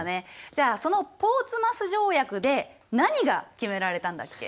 じゃあそのポーツマス条約で何が決められたんだっけ？